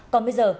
còn bây giờ